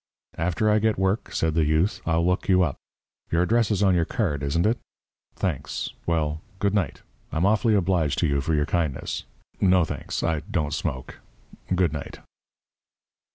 "After I get work," said the youth, "I'll look you up. Your address is on your card, isn't it? Thanks. Well, good night. I'm awfully obliged to you for your kindness. No, thanks, I don't smoke. Good night."